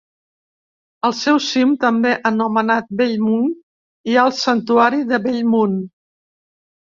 Al seu cim, també anomenat Bellmunt hi ha el santuari de Bellmunt.